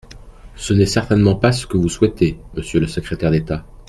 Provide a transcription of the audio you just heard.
Ce n’est certainement pas ce que vous souhaitez, monsieur le secrétaire d’État.